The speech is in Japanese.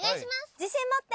自信持って！